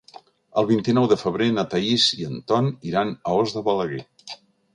El vint-i-nou de febrer na Thaís i en Ton iran a Os de Balaguer.